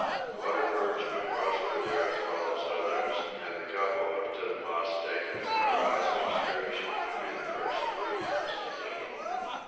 Water birds would prosper there as well as others, and the couple of tinamous taken in their last excursion would be the first to be domesticated.